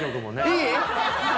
いい？